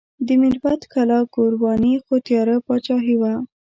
د میربت کلا ګورواني خو تیاره پاچاهي وه.